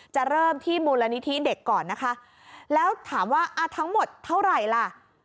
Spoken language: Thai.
จะเริ่มที่มูลนิธิเด็กก่อนนะคะแล้วถามว่าทั้งหมดเท่าไหร่ล่ะ